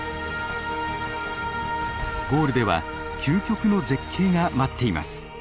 ゴールでは究極の絶景が待っています。